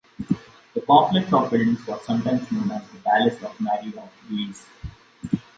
The complex of buildings was sometimes known as the palace of Mary of Guise.